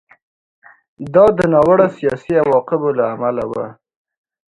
دا د ناوړه سیاسي عواقبو له امله و